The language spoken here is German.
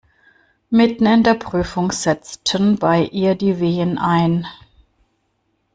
Mitten in der Prüfung setzten bei ihr die Wehen ein.